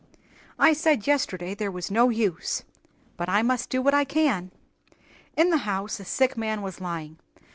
"I said yesterday there was no use; but I must do what I can." In the house a sick man was lying.